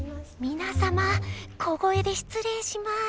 皆様小声で失礼します。